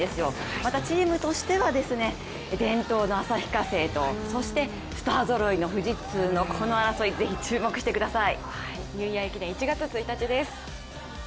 また、チームとしては伝統の旭化成とそしてスターぞろいの富士通のこの争い、ぜひ注目してください。